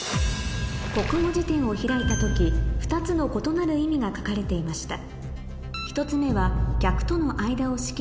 国語辞典を開いた時２つの異なる意味が書かれていました